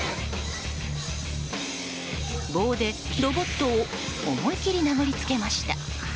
棒でロボットを思い切り殴りつけました。